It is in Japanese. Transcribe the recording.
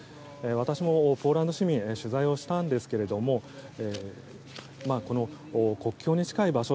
私もポーランド市民取材をしたんですが国境に近い場所